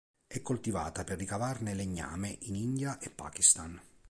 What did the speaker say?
È coltivata, per ricavarne legname, in India e Pakistan.